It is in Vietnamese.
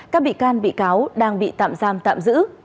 các bị can bị cáo đang bị tạm giam tạm giữ